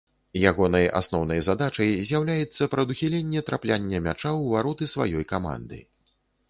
Ягонай асноўнай задачай з'яўляецца прадухіленне трапляння мяча ў вароты сваёй каманды.